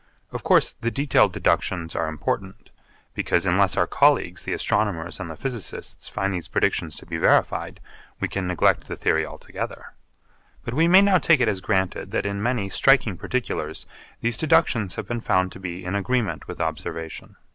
Of course, the detailed deductions are important, because unless our colleagues the astronomers and the physicists find these predictions to be verified we can neglect the theory altogether. But we may now take it as granted that in many striking particulars these deductions have been found to be in agreement with observation.